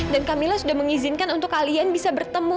dan kamila sudah mengizinkan untuk kalian bisa bertemu